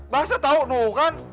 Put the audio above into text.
bahasa tau nuh kan